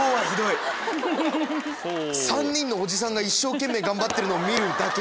３人のおじさんが一生懸命頑張ってるのを見るだけの。